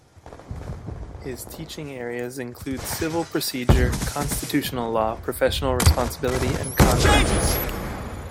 His teaching areas include civil procedure, constitutional law, professional responsibility, and contracts.